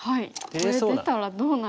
これ出たらどうなるんですか？